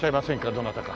どなたか。